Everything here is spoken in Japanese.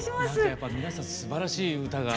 やっぱ皆さんすばらしい歌が。